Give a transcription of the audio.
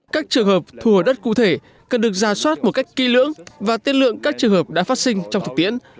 các trường hợp thu hồi đất cụ thể cần được ra soát một cách kỹ lưỡng và tiết lượng các trường hợp đã phát sinh trong thực tiễn